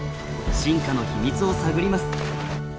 進化の秘密を探ります。